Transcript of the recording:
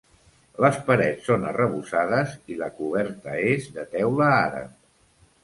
Les parets són arrebossades i la coberta és de teula àrab.